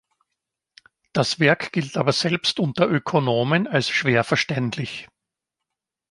Das Werk gilt aber selbst unter Ökonomen als schwer verständlich.